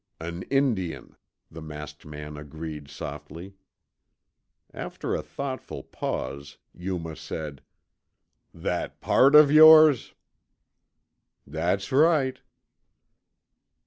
"An Indian," the masked man agreed softly. After a thoughtful pause, Yuma said, "That pard of yores?" "That's right."